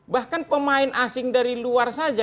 bahkan pemain asing dari luar saja